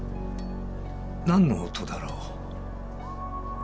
何の音だろう？